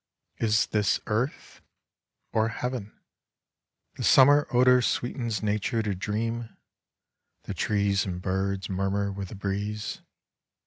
Is this earth ? Or Heaven ? The summer odour sweetens Nature to dream : the trees and birds murmur with a breeze.